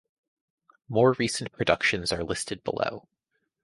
More recent productions are listed below.